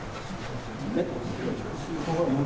えっ？